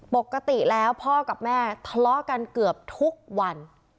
ปกติแล้วพ่อกับแม่ทะเลาะกันเกือบทุกวัน